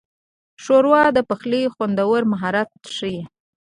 ښوروا د پخلي خوندور مهارت ښيي.